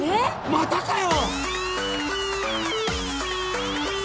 またかよ！？